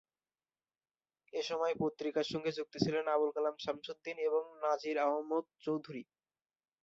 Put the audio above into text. এ সময় পত্রিকার সঙ্গে যুক্ত ছিলেন আবুল কালাম শামসুদ্দীন ও নজীর আহমদ চৌধুরী।